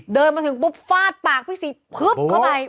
เดินมาถึงปุ๊บฟาดปากพี่ศรีพึบเข้าไป